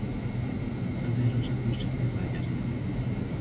Ez ê roja duşemê vegerim.